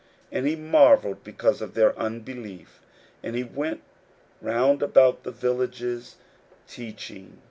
41:006:006 And he marvelled because of their unbelief. And he went round about the villages, teaching.